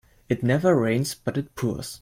It never rains but it pours.